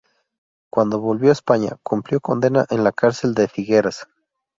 Cuando volvió a España, cumplió condena en la cárcel de Figueras.